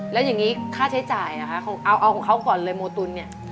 แล้วอย่างนี้ค่าใช้จ่ายนะคะเอาของเขาก่อนเลยโมตุลเนี่ย